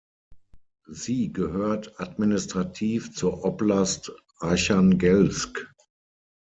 Sie gehört administrativ zur Oblast Archangelsk.